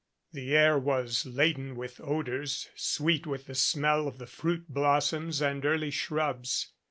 The air was laden with odors, sweet with the smell of the fruit blossoms and early shrubs.